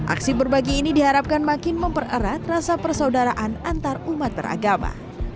aksi berbagi ini diharapkan makin mempererat rasa persaudaraan antarumat beragama